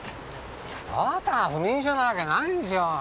あなたが不眠症なわけないでしょうが。